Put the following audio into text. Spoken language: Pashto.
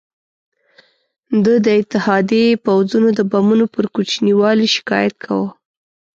ده د اتحادي پوځونو د بمونو پر کوچني والي شکایت کاوه.